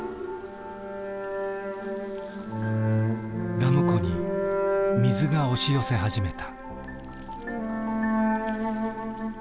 ダム湖に水が押し寄せ始めた。